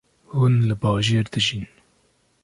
Hûn li bajêr dijîn